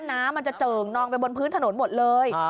น้ำมันจะเจิ่งนองไปบนพื้นถนนหมดเลย